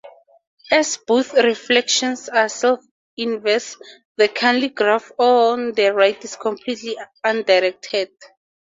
As both reflections are self-inverse the Cayley graph on the right is completely undirected.